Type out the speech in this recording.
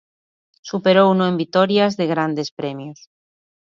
Superouno en vitorias de grandes premios.